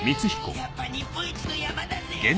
やっぱ日本一の山だぜ！